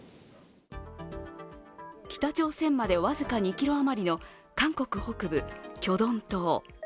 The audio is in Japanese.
北朝鮮まで僅か２ｋｍ余りの韓国北部・キョドン島。